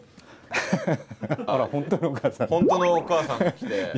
本当のお母さんが来て。